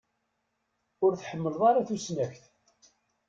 Ur tḥemmleḍ ara tusnakt.